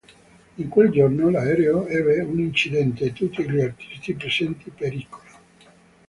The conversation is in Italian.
In quel giorno l'aereo ebbe un incidente e tutti gli artisti presenti perirono.